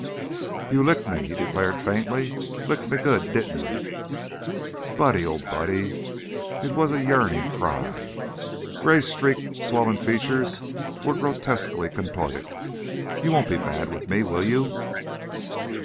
"You licked me," he declared, faintly. "Licked me good, didn't you?" "Buddy! Oh, Buddy " It was a yearning cry; Gray's streaked, swollen features were grotesquely contorted. "You won't be mad with me, will you?"